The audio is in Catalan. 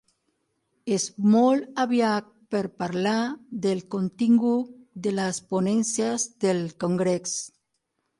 És molt aviat per parlar del contingut de les ponències del congrés.